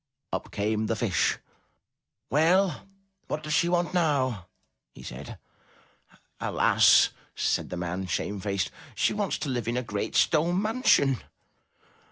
Up came the Fish. "Well, what does she want now?" he said. "Alas!" said the man, shamefaced. "She wants to live in a great stone mansion."